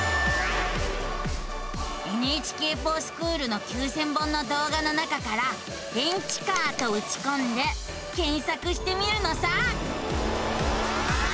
「ＮＨＫｆｏｒＳｃｈｏｏｌ」の９，０００本の動画の中から「電池カー」とうちこんで検索してみるのさ。